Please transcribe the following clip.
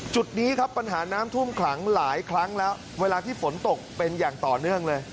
จุดนี้ครับปัญหาน้ำท่วมขังหลายครั้งแล้วเวลาที่ฝนตกเป็นอย่างต่อเนื่องเลย